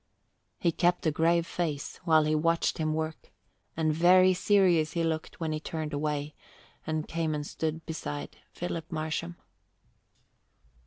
He kept a grave face while he watched him work, and very serious he looked when he turned away and came and stood beside Philip Marsham.